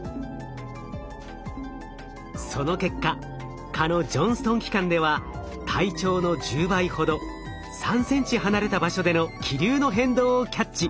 その結果蚊のジョンストン器官では体長の１０倍ほど３ｃｍ離れた場所での気流の変動をキャッチ。